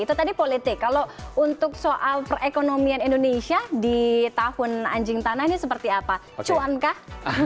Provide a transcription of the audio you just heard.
itu tadi politik kalau untuk soal perekonomian indonesia di tahun anjing tanah ini seperti apa cuankah